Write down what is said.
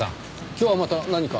今日はまた何か？